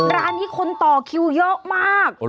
ร้านนี้คนต่อคิวเยอะมาก